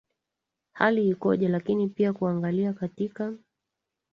hali ikoje lakini pia kuangalia katika